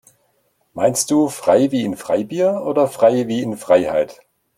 Meinst du frei wie in Freibier oder frei wie in Freiheit?